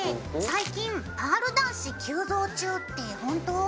最近パール男子急増中って本当？